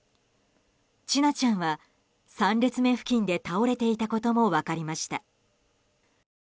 千奈ちゃんは３列目付近で倒れていたことも分かりました。